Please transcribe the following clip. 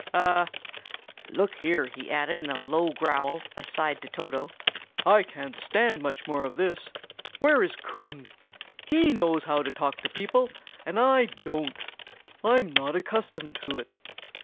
A— "Look here!" he added, in a low growl, aside to Toto, "I can't stand much more of this. Where is Coon? He knows how to talk to people, and I don't. I'm not accustomed to it.